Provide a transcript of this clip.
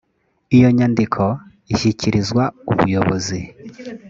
iyo nyandiko ishyikirizwa ubuyobozi.